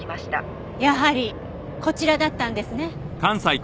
やはりこちらだったんですね。